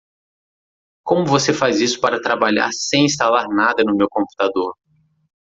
Como você faz isso para trabalhar sem instalar nada no meu computador?